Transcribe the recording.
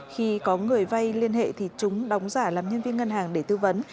khi có người vay liên hệ thì chúng đóng giả làm nhân viên ngân hàng để tư vấn